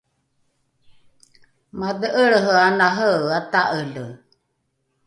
madhe’elrehe ana reea ta’ele